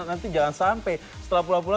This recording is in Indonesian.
nanti jangan sampai setelah pulang pulang